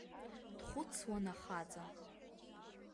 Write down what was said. Дхәыцуан ахаҵа.